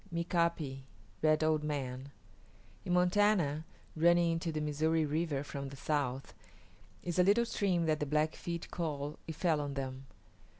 MIKA´PI RED OLD MAN In Montana, running into the Missouri River from the south, is a little stream that the Blackfeet call "It Fell on Them."